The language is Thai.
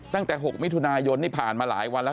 ตั้งแต่๖มิถุนายนนี่ผ่านมาหลายวันแล้ว